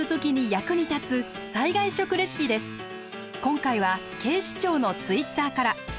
今回は警視庁のツイッターから。